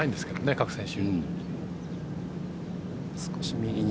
各選手。